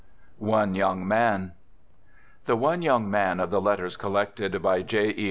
ONE YOUNG MAN The " One Young Man " of the letters collected by J. E.